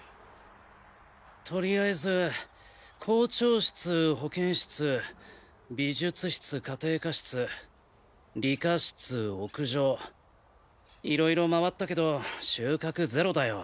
とりあえず校長室保健室美術室家庭科室理科室屋上色々回ったけど収穫ゼロだよ。